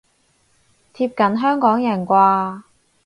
貼近香港人啩